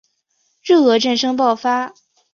日俄战争爆发